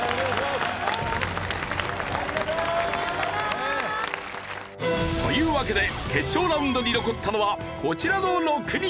ありがとう！というわけで決勝ラウンドに残ったのはこちらの６人。